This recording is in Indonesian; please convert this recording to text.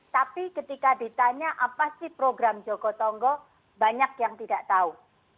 tapi ketika ditanya apa sih program joko tonggo banyak yang tidak tahu